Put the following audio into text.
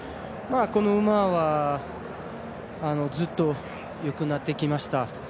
この馬はずっとよくなってきました。